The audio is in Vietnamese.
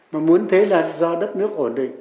mà muốn thế là do đất nước ổn định